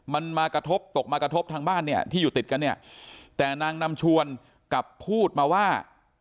มันมากระทบตกมากระทบทางบ้านเนี่ยที่อยู่ติดกันเนี่ยแต่นางนำชวนกลับพูดมาว่า